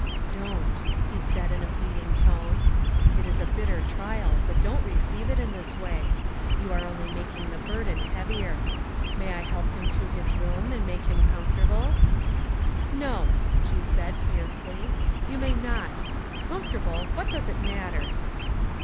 " Don't," he said, in a pleading tone. " It is a bitter trial, but don't receive it in this way ; you are only making the burden heavier. May I help him to his room, and make him comfortable ?"" No," she said, fiercely, " you may not. Com fortable ! What does it matter